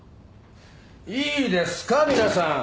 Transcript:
いいですか皆さん。